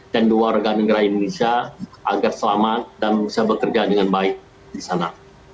dua warga negara indonesia agar selamat dan bisa bekerja dengan baik di sana